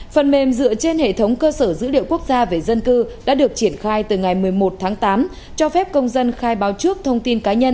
phần mềm dựa trên hệ thống cơ sở dữ liệu quốc gia về dân cư đã được triển khai từ ngày một mươi một tháng tám cho phép công dân khai báo trước thông tin cá nhân